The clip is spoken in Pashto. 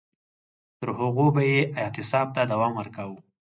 تر هغو به یې اعتصاب ته دوام ورکاوه.